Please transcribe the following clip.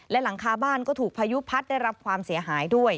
และหลังคาบ้านก็ถูกพายุพัดได้รับความเสียหายด้วย